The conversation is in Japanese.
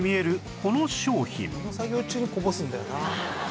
「この作業中にこぼすんだよな」